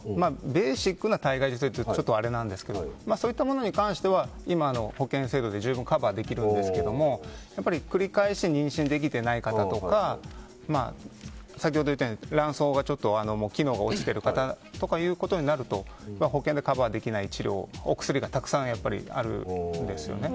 ベーシックな体外受精と言うとあれなんですけどそういったものに関しては今の保険制度で十分カバーできるんですが繰り返し妊娠できていない方とか先ほど言ったように卵巣の機能が落ちている方ということになると保険でカバーできない治療お薬がたくさんあるんですね。